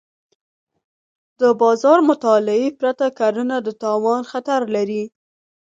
د بازار مطالعې پرته کرنه د تاوان خطر لري.